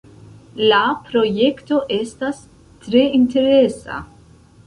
La projekto estas tre interesa.